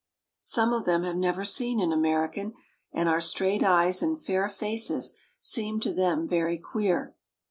Some of them have never seen an American, and our straight eyes and fair faces seem to them very queer.